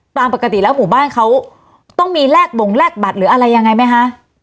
ตามปกติแล้วหมู่บ้านเขาต้องมีแลกบงแลกบัตรหรืออะไรยังไงไหมคะ